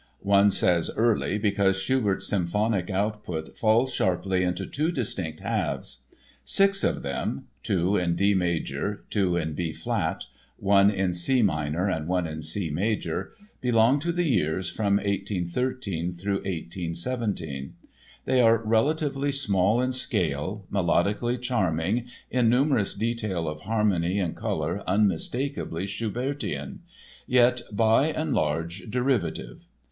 One says "early" because Schubert's symphonic output falls sharply into two distinct halves. Six of them—two in D major, two in B flat, one in C minor and one in C major—belong to the years from 1813 through 1817. They are relatively small in scale, melodically charming, in numerous detail of harmony and color unmistakably Schubertian, yet by and large derivative.